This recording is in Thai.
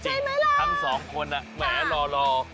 ใช่ไหมล่ะทั้ง๒คนแหลรอ